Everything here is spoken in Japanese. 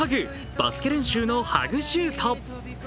バスケ練習のハグシュート。